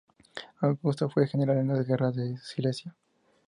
Augusto fue general en las Guerras de Silesia.